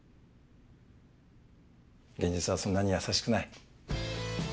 現実はそんなに優しくない。